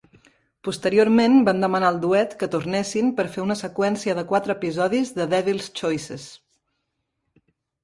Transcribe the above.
Posteriorment van demanar al duet que tornessin per fer una seqüència de quatre episodis de "Devil's Choices".